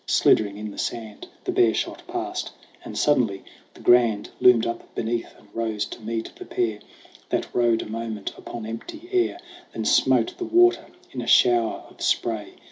Sliddering in the sand, The bear shot past. And suddenly the Grand Loomed up beneath and rose to meet the pair That rode a moment upon empty air, Then smote the water in a shower of spray.